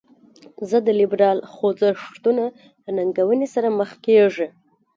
ضد لیبرال خوځښتونه له ننګونې سره مخ کیږي.